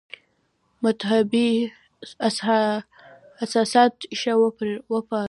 مدهبي احساسات ښه وپارول.